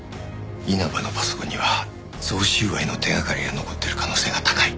稲葉のパソコンには贈収賄の手がかりが残ってる可能性が高い。